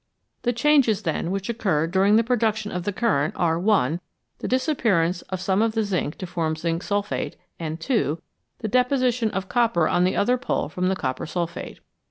The changes, then, which occur during the production of the current are (1) the disappearance of some of the zinc to form zinc sulphate, and (2) the deposition of copper on the other pole from the copper sulphate.